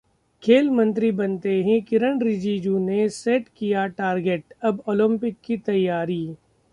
खेल मंत्री बनते ही किरण रिजिजू ने सेट किया टारगेट, अब ओलंपिक की तैयारी